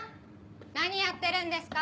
何やってるんですか。